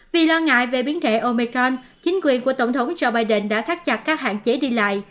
vì lo ngại về biến thể omecron chính quyền của tổng thống joe biden đã thắt chặt các hạn chế đi lại